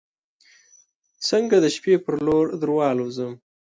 څنګه د شپې پر لور دروالوزم